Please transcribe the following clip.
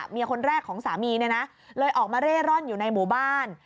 เมียคนแรกของสามีเนี่ยนะเลยออกมาเร่ร่อนอยู่ในหมู่บ้าน